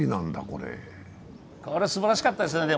これ、すばらしかったですね